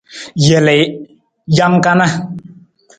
Jelii, jang kana.